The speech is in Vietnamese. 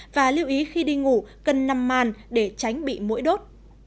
và lưu ý khi đi ngủ cần nằm màn để tránh bị mũi đốt